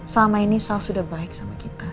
selama ini saya sudah baik sama kita